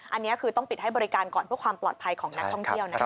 อันนี้คือต้องปิดให้บริการก่อนเพื่อความปลอดภัยของนักท่องเที่ยวนะครับ